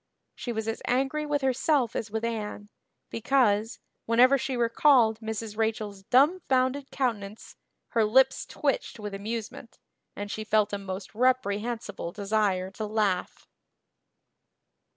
She was as angry with herself as with Anne, because, whenever she recalled Mrs. Rachel's dumbfounded countenance her lips twitched with amusement and she felt a most reprehensible desire to laugh.